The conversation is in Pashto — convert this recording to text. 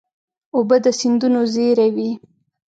اوبه د سیندونو زېری وي.